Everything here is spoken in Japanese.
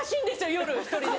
夜１人で。